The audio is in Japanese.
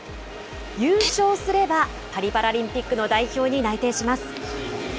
優勝すれば、パリパラリンピックの代表に内定します。